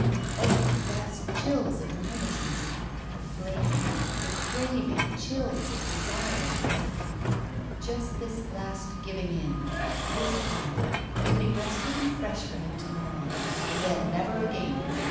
Ugh! the vast chills of nervousness. The flaming, the craving chills of desire ! Just this last giving in. This one. To be rested and fresh for him to morrow. Then never again.